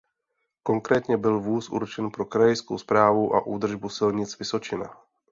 Konkrétně byl vůz určen pro Krajskou správu a údržbu silnic Vysočina.